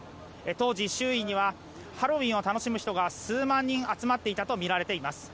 当時、周囲にはハロウィーンを楽しむ人が数万人が集まっていたとみられています。